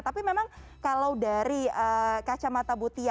tapi memang kalau dari kacamata butia